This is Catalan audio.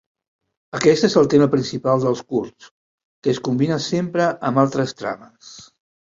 Aquest és el tema principal dels curts, que es combina sempre amb altres trames.